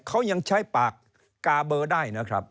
เขายังใช้ปากกาเบอร์ได้นะครับ